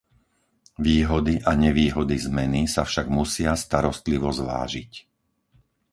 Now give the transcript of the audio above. Výhody a nevýhody zmeny sa však musia starostlivo zvážiť.